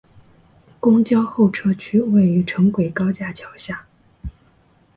公交候车区位于城轨高架桥下。